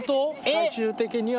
最終的には。